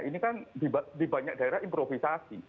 ini kan di banyak daerah improvisasi